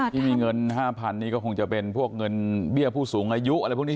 ที่มีเงิน๕๐๐นี่ก็คงจะเป็นพวกเงินเบี้ยผู้สูงอายุอะไรพวกนี้